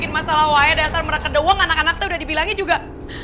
bikin masalah waya dasar merangkep doang anak anak tuh udah dibilangin juga